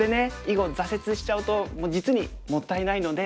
囲碁挫折しちゃうと実にもったいないので今はね